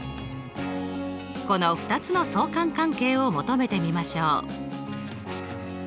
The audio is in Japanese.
この２つの相関関係を求めてみましょう。